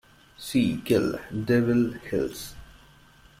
See Kill Devil Hills.